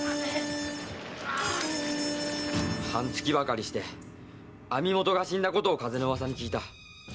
半月ばかりして網元が死んだことを風の噂に聞いた。